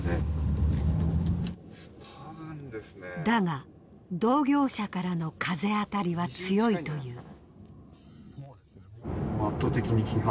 だが、同業者からの風当たりは強いという。